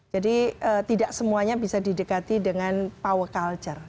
jadi tidak semuanya bisa didekati dengan power culture